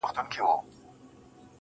o په بوتلونو شـــــراب ماڅښلي.